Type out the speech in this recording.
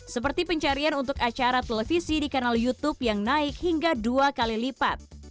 seperti pencarian untuk acara televisi di kanal youtube yang naik hingga dua kali lipat